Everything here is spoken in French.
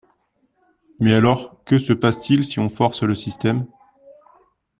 Mais alors que se passe-t-il si on force le système?